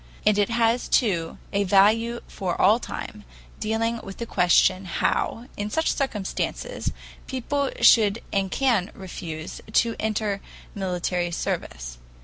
And it has, too, a value for all time, dealing with the question how, in such circumstances, people should and can refuse to enter military service.